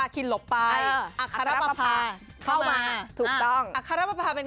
ก็ค่ะประมาน